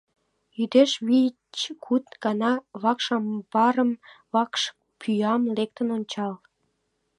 Йӱдеш вич-куд гана вакш амбарым, вакш пӱям лектын ончал.